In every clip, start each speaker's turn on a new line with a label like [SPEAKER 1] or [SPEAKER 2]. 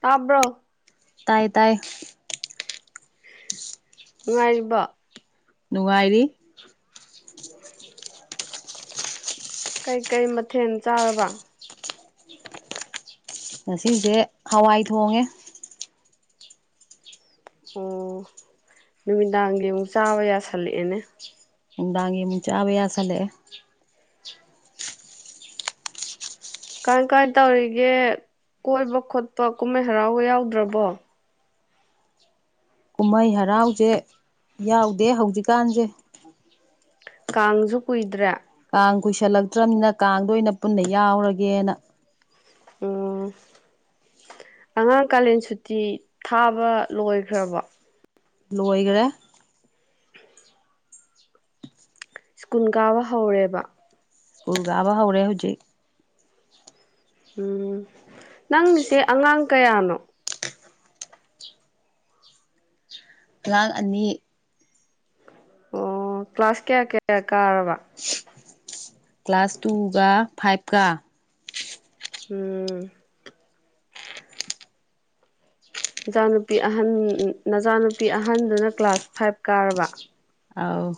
[SPEAKER 1] ꯇꯥꯕ꯭ꯔꯣ
[SPEAKER 2] ꯇꯥꯏ ꯇꯥꯏ
[SPEAKER 1] ꯉꯅꯨꯡꯉꯥꯏꯔꯤꯕ
[SPEAKER 2] ꯉꯥꯏꯔꯤ
[SPEAKER 1] ꯎ ꯀꯩꯀꯩ ꯃꯊꯦꯜ ꯆꯥꯔꯕ
[SPEAKER 2] ꯉꯁꯦ ꯍꯋꯥꯏ ꯊꯣꯡꯉꯦ
[SPEAKER 1] ꯑꯣ ꯅꯨꯃꯤꯗꯥꯡꯒꯤ ꯑꯃꯨꯛ ꯆꯥꯕ ꯌꯥꯁꯜꯂꯛꯑꯦꯅꯦ
[SPEAKER 2] ꯟꯗꯥꯒꯤ ꯃ ꯆꯥꯕꯦꯌꯥ ꯁꯂꯦ
[SPEAKER 1] ꯀꯥꯏ ꯀꯥꯏ ꯇꯧꯔꯤꯒꯦ ꯀꯣꯏꯕ ꯈꯣꯠꯄ ꯀꯨꯝꯍꯩ ꯍꯔꯥꯎꯕ ꯌꯥꯎꯗ꯭ꯔꯕꯣ
[SPEAKER 2] ꯀꯨꯝꯍꯩ ꯍꯔꯥꯎꯁꯦ ꯌꯥꯎꯗꯦ ꯍꯧꯖꯤꯛꯀꯥꯟꯁꯦ
[SPEAKER 1] ꯀꯥꯡꯁꯨ ꯀꯨꯏꯗ꯭ꯔꯦ
[SPEAKER 2] ꯀꯥꯡ ꯀꯨꯏꯁꯜꯂꯛꯇ꯭ꯔꯕꯅꯤꯅ ꯀꯥꯡꯗ ꯑꯣꯏꯅ ꯄꯨꯟꯅ ꯌꯥꯎꯔꯒꯦꯅ
[SPEAKER 1] ꯑꯣ ꯑꯉꯥꯡ ꯀꯥꯂꯦꯟ ꯁꯨꯇꯤ ꯊꯥꯕ ꯂꯣꯏꯈ꯭ꯔꯕꯣ
[SPEAKER 2] ꯂꯣꯏꯈ꯭ꯔꯦ
[SPEAKER 1] ꯁ꯭ꯀꯨꯜ ꯀꯥꯕ ꯍꯧꯔꯦꯕ
[SPEAKER 2] ꯁꯀꯨꯜꯒꯥꯕ ꯍꯧꯔꯦ ꯍꯧꯖꯤꯛ
[SPEAKER 1] ꯎꯝ ꯅꯪꯒꯤꯁꯦ ꯑꯉꯥꯡ ꯀꯌꯥꯅꯣ
[SPEAKER 2] ꯂꯥꯛ ꯑꯅꯤ
[SPEAKER 1] ꯑꯣ ꯀ꯭ꯂꯥꯁ ꯀꯌꯥ ꯀꯌꯥ ꯀꯥꯔꯔꯕ
[SPEAKER 2] ꯀ꯭ꯂꯥꯁ ꯇꯨꯒ ꯐꯥꯏꯚꯀ
[SPEAKER 1] ꯎꯝ ꯅꯆꯥꯅꯨꯄꯤ ꯑꯍꯟ ꯅꯆꯥꯅꯨꯄꯤ ꯑꯍꯟꯗꯨꯅ ꯀ꯭ꯂꯥꯁ ꯐꯥꯏꯚ ꯀꯥꯔꯕ
[SPEAKER 2] ꯑꯥꯎ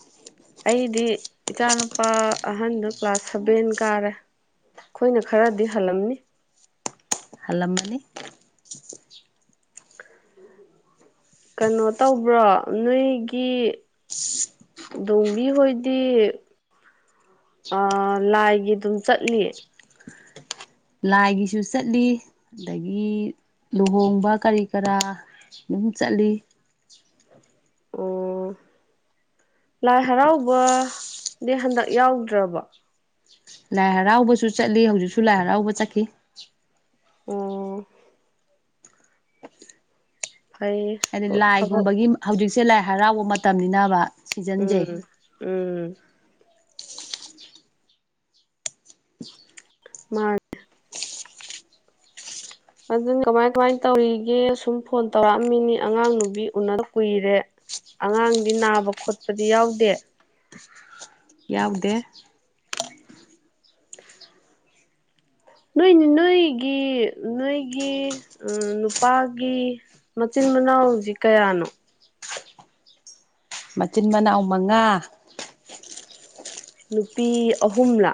[SPEAKER 1] ꯑꯩꯗꯤ ꯏꯆꯥꯅꯨꯄꯥ ꯑꯍꯟꯗ ꯀ꯭ꯂꯥꯁ ꯁꯚꯦꯟ ꯀꯥꯔꯦ ꯑꯩꯈꯣꯏꯅ ꯈꯔꯗꯤ ꯍꯜꯂꯝꯅꯤ
[SPEAKER 2] ꯍꯜꯂꯃꯅꯤ
[SPEAKER 1] ꯀꯩꯅꯣ ꯇꯧꯕ꯭ꯔꯣ ꯅꯣꯏꯒꯤ ꯗꯝꯕꯤ ꯍꯣꯏꯗꯤ ꯑ ꯂꯥꯏꯒꯤ ꯑꯗꯨꯝ ꯆꯠꯂꯤ
[SPEAKER 2] ꯂꯥꯏꯒꯤꯁꯨ ꯆꯠꯂꯤ ꯑꯗꯒꯤ ꯂꯨꯍꯣꯡꯕ ꯀꯔꯤ ꯀꯔꯥ ꯑꯗꯨꯨꯝ ꯆꯠꯂꯤ
[SPEAKER 1] ꯑꯣ ꯂꯥꯏ ꯍꯔꯥꯎꯕꯗꯤ ꯍꯟꯗꯛ ꯌꯥꯎꯗ꯭ꯔꯕ
[SPEAKER 2] ꯂꯥꯏ ꯍꯔꯥꯎꯕꯁꯨ ꯆꯠꯂꯤ ꯍꯧꯖꯤꯛꯁꯨ ꯂꯥꯏ ꯍꯔꯥꯎꯕ ꯆꯠꯈꯤ
[SPEAKER 1] ꯑꯣ ꯐꯩ
[SPEAKER 2] ꯍꯥꯏꯗꯤ
[SPEAKER 1] ꯊꯕꯛ
[SPEAKER 2] ꯂꯥꯏꯒꯨꯝꯕꯒꯤ ꯍꯧꯖꯤꯛꯁꯦ ꯂꯥꯏ ꯍꯔꯥꯎꯕ ꯃꯇꯝꯅꯤꯅꯕ ꯁꯤꯖꯟꯁꯦ
[SPEAKER 1] ꯎꯝ ꯎꯝ ꯃꯥꯥꯡ ꯑꯗꯨꯅ ꯀꯃꯥꯏ ꯀꯃꯥꯏ ꯇꯧꯔꯤꯒꯦ ꯁꯨꯝ ꯐꯣꯟ ꯇꯧꯔꯛꯑꯝꯃꯤꯅꯤ ꯑꯉꯥꯡ ꯅꯨꯕꯤ ꯎꯅ ꯀꯨꯏꯔꯦ ꯑꯉꯥꯡꯗꯤ ꯅꯥꯕ ꯈꯣꯠꯄꯗꯤ ꯌꯥꯎꯗꯦ
[SPEAKER 2] ꯌꯥꯎꯗꯦ
[SPEAKER 1] ꯅꯣꯏꯅꯤ ꯅꯣꯏꯒꯤ ꯅꯣꯏꯒꯤ ꯎ ꯅꯨꯄꯥꯒꯤ ꯃꯆꯤꯟ ꯅ ꯍꯧꯖꯤ ꯀꯌꯥꯅꯣ
[SPEAKER 2] ꯃꯆꯤꯟ ꯃꯅꯥꯎ ꯃꯉꯥ
[SPEAKER 1] ꯅꯨꯄꯤ ꯑꯍꯨꯝꯂꯥ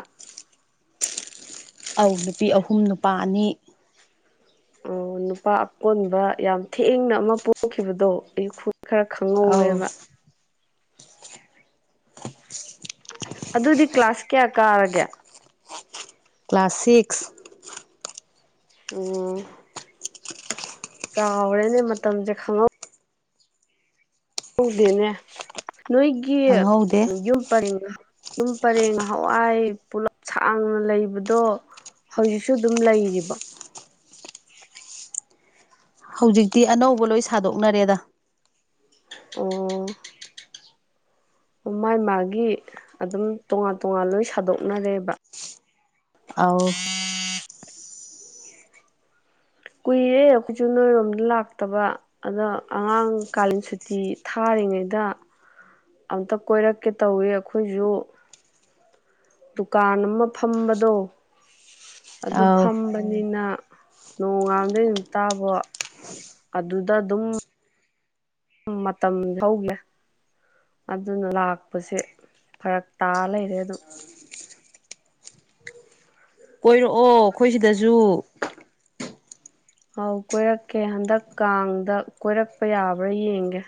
[SPEAKER 2] ꯑ ꯅꯨꯄꯤ ꯑꯍꯨꯝ ꯅꯨꯄꯥ ꯑꯅꯤ
[SPEAKER 1] ꯑꯣ ꯅꯨꯄꯥ ꯑꯀꯣꯟꯕ ꯌꯥꯝ ꯊꯦꯡꯅ ꯑꯃ ꯄꯣꯛꯈꯤꯕꯗꯣ ꯑꯌꯨ ꯈꯔ
[SPEAKER 2] ꯑꯧ
[SPEAKER 1] ꯈꯪꯍꯧꯋꯦꯕ ꯑꯗꯨꯗꯤ ꯀ꯭ꯂꯥꯁ ꯀꯌꯥ ꯀꯥꯔꯒꯦ
[SPEAKER 2] ꯀ꯭ꯂꯥꯁ ꯁꯤꯛꯁ
[SPEAKER 1] ꯎꯝ ꯆꯥꯎꯔꯦꯅꯦ ꯃꯇꯝꯁꯦ ꯈꯪꯍꯧ ꯇꯗꯦꯅꯦ ꯅꯣꯏꯒꯤ
[SPEAKER 2] ꯈꯪꯍꯧꯗꯦ
[SPEAKER 1] ꯌꯨꯝ ꯄꯔꯤꯦꯡꯗ ꯌꯨꯝ ꯄꯔꯦꯡ ꯍꯋꯥꯋꯥꯏ ꯄꯨꯂꯞ ꯁꯥꯡꯅ ꯂꯩꯕꯗꯣ ꯍꯧꯖꯤꯛꯁꯨ ꯑꯗꯨꯝ ꯂꯩꯔꯤꯕ
[SPEAKER 2] ꯍꯧꯖꯤꯛꯇꯤ ꯑꯅꯧꯕ ꯂꯣꯏ ꯁꯥꯗꯣꯛꯅꯔꯦꯗ
[SPEAKER 1] ꯑꯣ ꯃꯥꯥꯏ ꯃꯥꯒꯤ ꯑꯗꯨꯝ ꯇꯣꯉꯥꯟ ꯇꯣꯉꯥꯟ ꯂꯣꯏ ꯁꯥꯗꯣꯛꯅꯔꯦꯕ
[SPEAKER 2] ꯑꯥꯎ
[SPEAKER 1] ꯀꯨꯏꯔꯦ ꯑꯩꯈꯣꯏꯁꯨ ꯅꯣꯏꯔꯣꯝꯗ ꯂꯥꯛꯇꯕ ꯑꯗ ꯑꯉꯥꯡ ꯀꯥꯂꯤꯟ ꯁꯨꯇꯤ ꯊꯥꯔꯤ ꯂꯩꯔꯤꯉꯩꯗ ꯑꯝꯇ ꯀꯣꯏꯔꯛꯀꯦ ꯇꯧꯏꯤ ꯑꯩꯈꯣꯏꯁꯨ ꯗꯨꯀꯥꯟ ꯑꯃ ꯐꯝꯕꯗꯣ ꯑꯗꯨ
[SPEAKER 2] ꯑꯧ
[SPEAKER 1] ꯐꯝꯕꯅꯤꯅ ꯅꯣꯡ ꯉꯝꯗꯩ ꯑꯗꯨꯝ ꯇꯥꯕꯣ ꯑꯗꯨꯗ ꯑꯗꯨꯝ ꯃꯇꯝ ꯍꯧꯒꯦ ꯑꯗꯨꯅ ꯂꯥꯛꯄꯁꯦ ꯐꯔꯛ ꯇꯥ ꯂꯩꯔꯦ ꯑꯗꯨꯝ
[SPEAKER 2] ꯀꯣꯏꯔꯛꯑꯣ ꯑꯩꯈꯣꯏ ꯁꯤꯗꯁꯨ
[SPEAKER 1] ꯑꯧ ꯀꯣꯏꯔꯛꯀꯦ ꯍꯟꯗꯛꯀꯗ ꯀꯣꯏꯔꯛꯄ ꯌꯥꯕ꯭ꯔꯥ ꯌꯦꯡꯒꯦ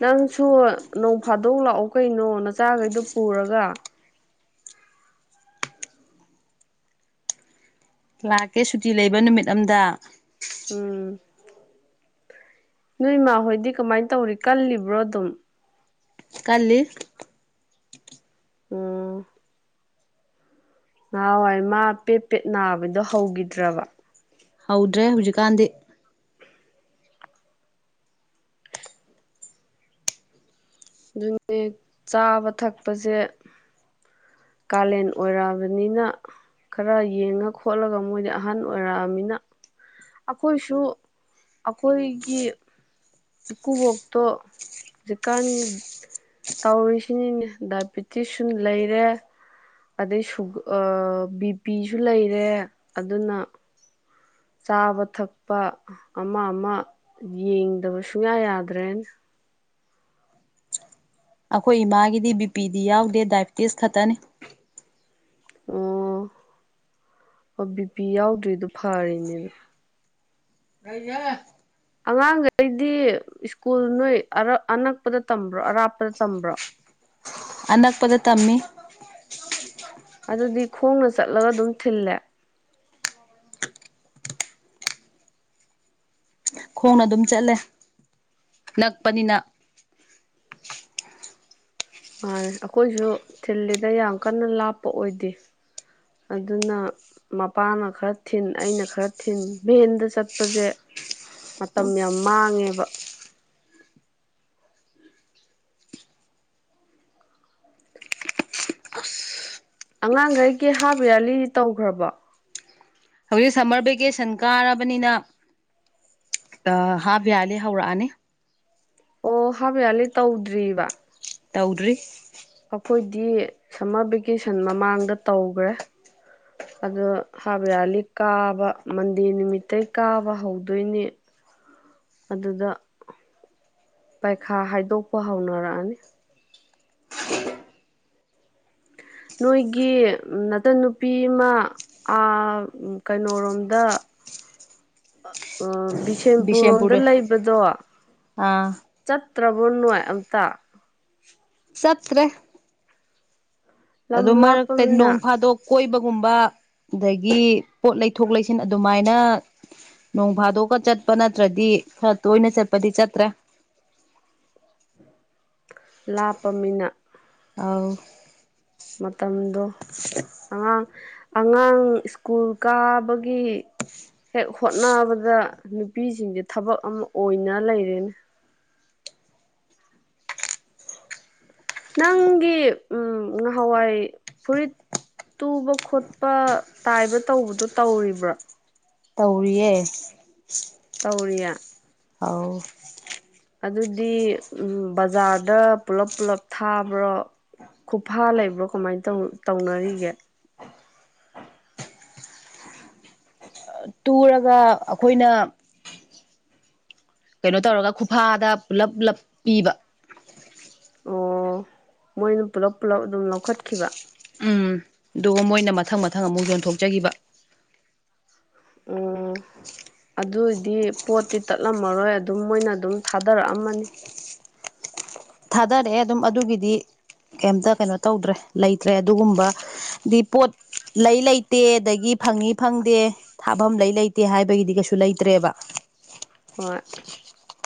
[SPEAKER 1] ꯅꯪꯁꯨ ꯅꯣꯡ ꯐꯥꯗꯣꯛ ꯂꯥꯛꯑꯣ ꯀꯩꯅꯣ ꯅꯆꯥꯈꯩꯗꯨꯣ ꯄꯨꯔꯒ
[SPEAKER 2] ꯂꯥꯛꯀꯦ ꯁꯨꯇꯤ ꯂꯩꯕ ꯅꯨꯃꯤꯠ ꯑꯝꯗ
[SPEAKER 1] ꯎꯝ ꯅꯣꯏ ꯏꯃ ꯍꯣꯏꯗꯤ ꯀꯃꯥꯏꯅ ꯇꯧꯔꯤ ꯀꯜꯂꯤꯕ꯭ꯔꯣ ꯑꯗꯨꯝ
[SPEAKER 2] ꯀꯂ
[SPEAKER 1] ꯑ ꯅꯍꯥꯟꯋꯥꯏ ꯃꯥ ꯄꯦꯠ ꯄꯦꯠ ꯅꯥꯕꯗꯣ ꯍꯧꯈꯤꯗ꯭ꯔꯕ
[SPEAKER 2] ꯍꯧꯗ꯭ꯔꯦ ꯍꯧꯖꯤꯛꯀꯥꯟꯗꯤ
[SPEAKER 1] ꯑꯗꯨ ꯆꯥꯕ ꯊꯛꯄꯁꯦ ꯀꯥꯂꯦꯟ ꯑꯣꯏꯔꯛꯑꯕꯅꯤꯅ ꯈꯔ ꯌꯦꯡꯉ ꯈꯣꯠꯂꯒ ꯃꯣꯏꯗꯤ ꯑꯍꯟ ꯑꯣꯏꯔꯛꯑꯃꯤꯅ ꯑꯩꯈꯣꯏꯁꯨ ꯑꯩꯈꯣꯏꯒꯤ ꯏꯀꯨꯕꯣꯛꯇꯣ ꯖꯤꯀꯥꯟ ꯇꯧꯔꯤꯁꯤꯅꯤꯅꯦ ꯗꯥꯏꯕꯤꯦꯇꯤꯁꯁꯨ ꯂꯩꯔꯦ ꯑꯗꯩ ꯁꯨ ꯕꯤ ꯄꯤꯁꯨ ꯂꯩꯔꯦ ꯑꯗꯨꯅ ꯆꯥꯕ ꯊꯛꯄ ꯑꯃ ꯑꯃ ꯌꯦꯡꯗꯕ ꯁꯨꯡꯌꯥ ꯌꯥꯗ꯭ꯔꯦꯅꯦ
[SPEAKER 2] ꯑꯩꯈꯣꯏ ꯏꯃꯥꯒꯤꯗꯤ ꯕꯤꯄꯤꯤꯗꯤ ꯌꯥꯎꯗꯦ ꯗꯥꯏꯕꯤꯦꯇꯤꯁ ꯈꯛꯇꯅꯤ
[SPEAKER 1] ꯑꯣ ꯑꯣ ꯕꯤ ꯄꯤ ꯌꯥꯎꯗ꯭ꯔꯤꯗꯨꯣ ꯐꯔꯤꯅꯦꯗ
[SPEAKER 2] ꯀꯩꯅꯦ
[SPEAKER 1] ꯑꯉꯥꯡꯈꯩꯗꯤ ꯁ꯭ꯀꯨꯜ ꯅꯣꯏ ꯑꯅꯛꯄꯗ ꯇꯝꯕ꯭ꯔꯣ ꯑꯔꯥꯞꯄꯗ ꯇꯝꯕ꯭ꯔꯣ [unintelligible]
[SPEAKER 2] ꯑꯅꯛꯄꯗ ꯇꯝꯃꯤ
[SPEAKER 1] ꯑꯗꯨꯗꯤ ꯈꯣꯡꯅ ꯆꯠꯂꯒ ꯑꯗꯨꯝ ꯊꯤꯜꯂꯦ
[SPEAKER 2] ꯈꯣꯡꯅ ꯑꯗꯨꯝ ꯆꯠꯂꯦ ꯅꯛꯄꯅꯤꯅ
[SPEAKER 1] ꯃꯥ ꯑꯩꯈꯣꯏꯁꯨ ꯊꯤꯜꯂꯤꯗ ꯌꯥꯝ ꯀꯟꯅ ꯂꯥꯞꯄ ꯑꯣꯏꯗꯦ ꯑꯗꯨꯅ ꯃꯄꯥꯅ ꯈꯔ ꯊꯤꯟ ꯑꯩꯅ ꯈꯔ ꯊꯤꯟ ꯚꯦꯟꯗ ꯆꯠꯄꯁꯦ ꯃꯇꯝ ꯌꯥꯝ ꯃꯥꯡꯉꯦꯕ ꯑꯉꯥꯡꯈꯩꯒꯤ ꯍꯥꯞ ꯌꯥꯔꯂꯤ ꯇꯧꯈ꯭ꯔꯕ
[SPEAKER 2] ꯍꯧꯖꯤꯛ ꯁꯝꯃꯔ ꯚꯦꯀꯦꯁꯟ ꯀꯥꯔꯕꯅꯤꯅ ꯑ ꯍꯥꯥꯕꯤꯌꯥ ꯂꯩ ꯍꯧꯔꯥꯅꯤ
[SPEAKER 1] ꯑꯣ ꯍꯥꯕꯌꯥꯜꯂꯤ ꯇꯧꯗ꯭ꯔꯤꯕꯔꯤꯕ
[SPEAKER 2] ꯇꯧꯗ꯭ꯔꯤ
[SPEAKER 1] ꯑꯩꯈꯣꯏꯗꯤ ꯁꯝꯃꯔ ꯚꯦꯀꯦꯁꯟ ꯃꯃꯥꯡꯗ ꯇꯧꯈ꯭ꯔꯦ ꯑꯗꯣ ꯍꯥꯕ ꯌꯥꯜꯂꯤ ꯀꯥꯕ ꯃꯟꯗꯦ ꯅꯨꯃꯤꯠꯇꯇꯩ ꯀꯥꯕ ꯍꯧꯗꯣꯏꯅꯦ ꯑꯗꯨꯗ ꯄꯩꯈꯥ ꯍꯥꯏꯗꯣꯛꯄ ꯍꯧꯅꯔꯛꯑꯅꯤ [inaudible] ꯅꯣꯏꯒꯤ ꯅꯇꯟ ꯅꯨꯄꯤ ꯑꯃ ꯀꯩꯅꯣꯣꯔꯣꯝꯗ ꯑ ꯁꯄꯨꯔꯣꯝꯗ
[SPEAKER 2] ꯕꯤꯁꯦꯝꯄꯨꯔꯗ
[SPEAKER 1] ꯂꯩꯕꯗꯣ
[SPEAKER 2] ꯑꯥ
[SPEAKER 1] ꯆꯠꯇ꯭ꯔꯕ ꯃꯣꯟꯅꯅꯨꯡꯥꯏ ꯑꯝꯇ
[SPEAKER 2] ꯁꯠꯇꯔꯦ
[SPEAKER 1] ꯂꯝ
[SPEAKER 2] ꯑꯗꯨ ꯃꯔꯛꯇ
[SPEAKER 1] ꯂꯥꯞꯄꯃꯤꯅ
[SPEAKER 2] ꯅꯣꯡ ꯐꯥꯗꯣꯛ ꯀꯣꯏꯕꯒꯨꯝꯕ ꯑꯗꯒꯤ ꯄꯣꯠ ꯂꯩꯊꯣꯛ ꯂꯩꯁꯤꯟ ꯑꯗꯨꯃꯥꯏꯅ ꯅꯣꯡ ꯐꯥꯗꯣꯛꯑꯒ ꯆꯠꯄ ꯅꯠꯇ꯭ꯔꯗꯤ ꯈꯔ ꯇꯣꯏꯅ ꯆꯠꯄꯗꯤ ꯆꯠꯇ꯭ꯔꯦ
[SPEAKER 1] ꯂꯥꯞꯄ ꯃꯤꯅ
[SPEAKER 2] ꯑꯥꯎ
[SPEAKER 1] ꯃꯇꯝꯗꯣ ꯑꯉꯥꯡ ꯑꯉꯥꯡ ꯁ꯭ꯀꯨꯜ ꯀꯥꯕꯒꯤ ꯒꯤ ꯍꯦꯛ ꯍꯣꯠꯅꯕꯗ ꯅꯨꯄꯤꯁꯤꯡꯁꯦ ꯊꯕꯛ ꯑꯃ ꯑꯣꯏꯅ ꯂꯩꯔꯦꯅꯦ ꯅꯪꯒꯤ ꯎ ꯉꯍꯥꯟꯋꯥꯏ ꯐꯨꯔꯤꯠ ꯇꯨꯕ ꯈꯣꯠꯄ ꯇꯥꯏꯕ ꯇꯧꯕꯗꯣ ꯇꯧꯔꯤꯕ꯭ꯔꯥ
[SPEAKER 2] ꯇꯧꯔꯤꯌꯦ
[SPEAKER 1] ꯀꯧꯔꯤꯌꯥ
[SPEAKER 2] ꯑꯥꯎ
[SPEAKER 1] ꯑꯗꯨꯗꯤ ꯎꯝ ꯕꯖꯥꯔꯗ ꯄꯨꯂꯞ ꯄꯨꯂꯞ ꯊꯥꯕ꯭ꯔꯣ ꯈꯨꯐꯥ ꯂꯩꯕ꯭ꯔ ꯣ ꯀꯃꯥꯏ ꯇꯧꯅꯔꯤꯒꯦ
[SPEAKER 2] ꯇꯨꯔꯒ ꯑꯩꯈꯣꯏꯅ ꯀꯩꯅꯣ ꯇꯧꯔꯒ ꯈꯨꯐꯥꯗ ꯄꯨꯂꯞ ꯄꯨꯂꯞ ꯄꯤꯕ
[SPEAKER 1] ꯑꯣ ꯃꯣꯏꯅ ꯄꯨꯂꯞ ꯄꯨꯂꯞ ꯑꯗꯨꯝ ꯂꯧꯈꯠꯈꯤꯕ
[SPEAKER 2] ꯎꯝ ꯑꯗꯨꯒ ꯃꯣꯏꯅ ꯃꯊꯪ ꯃꯊꯪ ꯑꯃꯨꯛ ꯌꯣꯟꯊꯣꯛꯆꯈꯤꯕ
[SPEAKER 1] ꯎꯝ ꯑꯗꯨꯏꯗꯤ ꯄꯣꯠꯇꯤ ꯇꯠꯂꯝꯃꯔꯣꯏ ꯑꯗꯨꯝ ꯃꯣꯏꯅ ꯑꯗꯨꯝ ꯊꯥꯗꯔꯛꯑꯝꯃꯅꯤ
[SPEAKER 2] ꯊꯥꯗꯔꯛꯑꯦ ꯑꯗꯨꯝ ꯑꯗꯨꯒꯤꯗꯤ ꯀꯩꯇ ꯀꯩꯅꯣ ꯇꯧꯗ꯭ꯔꯦ ꯂꯩꯇ꯭ꯔꯦ ꯑꯗꯨꯒꯨꯝꯕ ꯄꯣ ꯂꯩ ꯂꯩꯇꯦ ꯑꯗꯒꯤ ꯐꯪꯉ ꯐꯪꯗꯦ ꯊꯥꯐꯝ ꯂꯩ ꯂꯩꯇꯦ ꯍꯥꯏꯕꯒꯤꯗꯤ ꯀꯩꯁꯨ ꯂꯩꯇ꯭ꯔꯦꯕ
[SPEAKER 1] ꯍꯣꯏ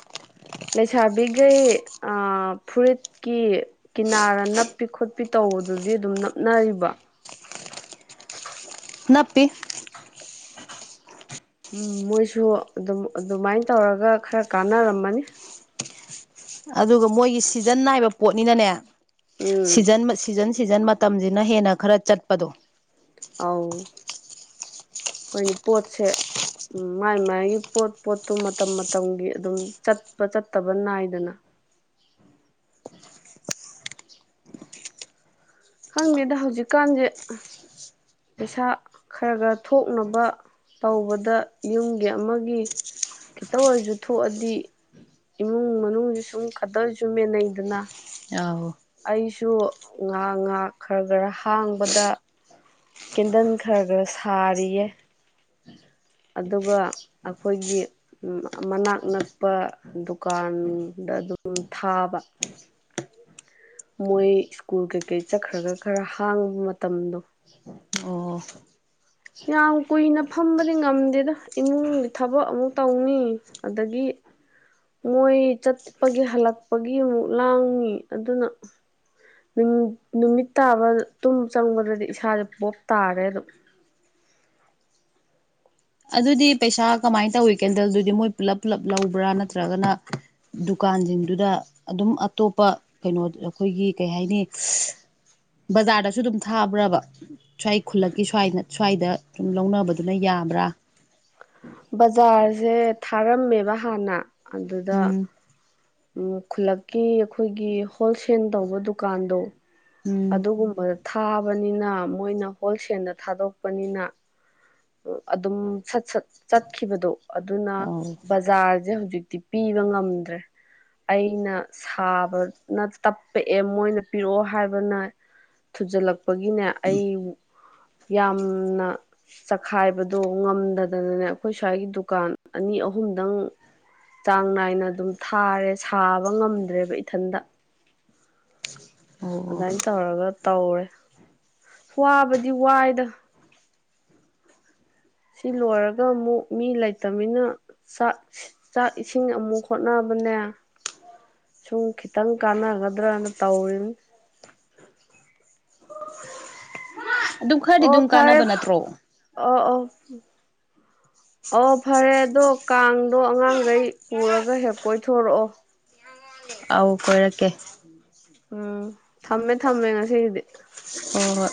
[SPEAKER 1] [inaudible] ꯂꯩꯁꯥꯕꯤꯈꯩ ꯐꯨꯔꯤꯠꯀꯤ ꯀꯤꯅꯥꯔ ꯅꯞꯄꯤ ꯈꯣꯠꯄꯤ ꯇꯧ ꯑꯣ ꯑꯗꯨꯗꯤ ꯑꯗꯨꯝ ꯅꯞꯅꯔꯤꯕ
[SPEAKER 2] ꯅꯥꯞꯄꯤꯦ
[SPEAKER 1] ꯎꯝ ꯃꯣꯏꯁꯨ ꯑꯗꯨꯝ ꯑꯗꯨꯃꯥꯏꯅ ꯇꯧꯔꯒ ꯈꯔ ꯀꯥꯟꯅꯔꯝꯃꯅꯤ
[SPEAKER 2] ꯑꯗꯨꯒ ꯃꯣꯏꯒꯤ ꯁꯤꯖꯟ ꯅꯥꯏꯕ ꯄꯣꯠꯅꯤꯅꯅꯦ
[SPEAKER 1] ꯎꯝ
[SPEAKER 2] ꯁꯤꯖꯟ ꯁꯤꯖꯟ ꯁꯤꯖꯟ ꯃꯇꯝꯁꯤꯅ ꯍꯦꯟꯅ ꯈꯔ ꯆꯠꯄꯗꯣ
[SPEAKER 1] ꯑꯥꯎ ꯍꯣꯏꯅꯦ ꯄꯣꯠꯁꯦ ꯎꯝ ꯃꯥꯏ ꯃꯥꯥꯏꯒꯤ ꯄꯣꯠ ꯄꯣꯠꯇꯣ ꯃꯇꯝ ꯃꯇꯝꯒꯤ ꯑꯗꯨꯝ ꯆꯠꯄ ꯆꯠꯇꯕ ꯅꯥꯏꯗꯅ ꯎꯝ ꯈꯪꯗꯦꯗ ꯍꯧꯖꯤꯛꯀꯥꯟꯁꯦ ꯄꯩꯁꯥ ꯈꯔ ꯈꯔ ꯊꯣꯛꯅꯕ ꯇꯧꯕꯗ ꯌꯨꯝꯒꯤ ꯑꯃꯒꯤ ꯈꯤꯇꯪ ꯑꯣꯏꯔꯁꯨ ꯊꯣꯛꯑꯗꯤ ꯏꯃꯨꯡ ꯃꯅꯨꯡꯁꯤ ꯁꯨꯝ ꯈꯛꯇꯁꯨ ꯃꯦꯟꯅꯩꯗꯅ
[SPEAKER 2] ꯑꯥꯎ
[SPEAKER 1] ꯑꯩꯁꯨ ꯉꯥ ꯉꯥ ꯈꯔ ꯈꯔ ꯍꯥꯡꯕꯗ ꯀꯦꯟꯗꯜ ꯈꯔ ꯈꯔ ꯁꯥꯔꯤꯌꯦ ꯑꯗꯨꯒ ꯑꯩꯈꯣꯏꯒꯤ ꯃꯅꯥꯛ ꯅꯛꯄ ꯗꯨꯀꯥꯟ ꯗ ꯑꯗꯨꯝ ꯊꯥꯕ ꯃꯣꯏ ꯁ꯭ꯀꯨꯜ ꯀꯩꯀꯩ ꯆꯠꯈ꯭ꯔꯒ ꯈꯔ ꯍꯥꯡꯕ ꯃꯇꯝꯗꯣ
[SPEAKER 2] ꯑꯣ
[SPEAKER 1] ꯌꯥꯝ ꯀꯨꯏꯅ ꯐꯝꯕꯗꯤ ꯉꯝꯗꯦꯗ ꯏꯃꯨꯡꯒꯤ ꯊꯕꯛ ꯑꯃꯨꯛ ꯇꯧꯅꯤ ꯑꯗꯒꯤ ꯍ ꯃꯣꯏ ꯆꯠꯄꯒꯤ ꯍꯜꯂꯛꯄꯒꯤ ꯑꯃꯨꯛ ꯂꯥꯡꯉꯤ ꯑꯗꯨꯅ ꯅꯨꯃꯤꯠ ꯇꯥꯕ ꯇꯨꯝ ꯆꯪꯕꯗꯗꯤ ꯏꯁꯥꯁꯦ ꯄꯣꯞ ꯇꯥꯔꯦ ꯑꯗꯨꯝ ꯎ
[SPEAKER 2] ꯑꯗꯨꯗꯤ ꯄꯩꯁꯥ ꯀꯃꯥꯏꯅ ꯇꯧꯋꯤ ꯀꯦꯟꯗꯜꯗꯨꯗꯤ ꯃꯣꯏ ꯄꯨꯂꯞ ꯄꯨꯂꯞ ꯂꯧꯕ꯭ꯔꯥ ꯅꯠꯇ꯭ꯔꯒꯅ ꯗꯨꯀꯥꯟ ꯀꯥꯟꯁꯤꯡꯗꯨꯗ ꯑꯗꯨꯝ ꯑꯇꯣꯞꯄ ꯀꯩꯅꯣ ꯑꯩꯈꯣꯏꯒꯤ ꯀꯩ ꯍꯥꯏꯅꯤ ꯕꯖꯥꯔꯗꯁꯨ ꯑꯗꯨꯝ ꯊꯥꯕ꯭ꯔꯕ ꯁ꯭ꯋꯥꯏ ꯈꯨꯜꯂꯛꯀꯤ ꯁ꯭ꯋꯥꯏꯗ ꯁ꯭ꯋꯥꯏꯗ ꯁꯨꯝ ꯂꯧꯅꯕꯗꯨꯅ ꯌꯥꯕ꯭ꯔꯥ
[SPEAKER 1] ꯕꯖꯥꯔꯁꯦ ꯊꯥꯔꯝꯃꯦꯕ ꯍꯥꯟꯅ ꯑꯗꯨꯗ
[SPEAKER 2] ꯎꯝ
[SPEAKER 1] ꯎꯝ ꯈꯨꯜꯂꯛꯀꯤ ꯑꯩꯈꯣꯏꯒꯤ ꯍꯣꯜꯁꯦꯜ ꯇꯧꯕ ꯗꯨꯀꯥꯟꯗꯣ
[SPEAKER 2] ꯎꯝ
[SPEAKER 1] ꯑꯗꯨꯒꯨꯝꯕꯗ ꯊꯥꯕꯅꯤꯅ ꯃꯣꯏꯅ ꯍꯣꯜꯁꯦꯜꯗ ꯊꯥꯗꯣꯛꯄꯅꯤꯅ ꯑꯗꯨꯝꯠ ꯆꯠꯈꯤꯕꯗꯣ ꯑꯗꯨꯅ
[SPEAKER 2] ꯑꯧ
[SPEAKER 1] ꯕꯖꯥꯔꯁꯦ ꯍꯧꯖꯤꯛ ꯍꯧꯖꯤꯛꯇꯤ ꯄꯤꯕ ꯉꯝꯗ꯭ꯔꯦ ꯑꯩꯅ ꯁꯥꯕꯅ ꯇꯞꯄꯛꯑꯦ ꯃꯣꯏꯅ ꯄꯤꯔꯛꯑꯣ ꯍꯥꯏꯕ ꯊꯨꯖꯤꯜꯂꯛꯄꯒꯤꯅꯦ ꯑꯩ ꯌꯥꯝꯅ ꯆꯈꯥꯏꯕꯗꯣ ꯉꯝꯗꯗꯅꯅꯦ ꯑꯩꯈꯣꯏ ꯁ꯭ꯋꯥꯏꯒꯤ ꯗꯨꯀꯥꯟ ꯑꯅꯤ ꯑꯍꯨꯝ ꯑꯍꯨꯝꯗꯪ ꯆꯥꯡ ꯅꯥꯏꯅ ꯑꯗꯨꯝ ꯊꯥꯔꯦ ꯁꯥꯕ ꯉꯝꯗ꯭ꯔꯦꯕ ꯏꯊꯟꯗ
[SPEAKER 2] ꯑꯣ ꯑꯣ
[SPEAKER 1] ꯑꯗꯨꯃꯥꯏꯅ ꯇꯧꯔꯒ ꯇꯧꯔꯦ ꯋꯥꯕꯗꯤ ꯋꯥꯏꯗ ꯁꯤ ꯂꯣꯏꯔꯒ ꯑꯃꯨꯛ ꯃꯤ ꯂꯩꯇꯅꯤꯅ ꯆꯥꯛ ꯆꯥꯛ ꯏꯁꯤꯡ ꯑꯃꯨꯛ ꯍꯣꯠꯅꯕ ꯃꯟꯅ ꯁꯨꯝ ꯈꯤꯇꯪ ꯀꯥꯟꯅꯒꯗ꯭ꯔꯅ ꯇꯧꯔꯤꯅꯤ
[SPEAKER 2] ꯑꯗꯨꯝ ꯈꯔꯗꯤ
[SPEAKER 1] ꯑꯣ
[SPEAKER 2] ꯑꯗꯨꯝ
[SPEAKER 1] ꯐꯔꯦ
[SPEAKER 2] ꯀꯥꯟꯅꯕ ꯅꯠꯇ꯭ꯔꯣ
[SPEAKER 1] ꯑꯣ ꯑꯣ ꯑꯣ ꯐꯔꯦ ꯑꯗꯣ ꯀꯥꯡꯗꯣ ꯑꯉꯥꯡꯈꯩ ꯄꯨꯔꯒ ꯍꯦ ꯀꯣꯏ ꯊꯣꯔꯛꯑꯣ
[SPEAKER 2] ꯑꯥꯎ ꯀꯣꯏꯔꯛꯀꯦ
[SPEAKER 1] ꯎꯝ ꯊꯃꯦ ꯊꯃꯦ ꯉꯁꯤꯦ ꯏꯗ
[SPEAKER 2] ꯑꯣ